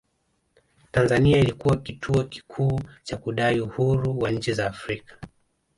Tanzania ilikuwa kituo kikuu cha kudai uhuru wa nchi za Afrika